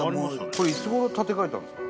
これいつごろ建て替えたんですか？